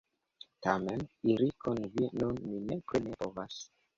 Tamen, iri kun vi nun mi nepre ne povas.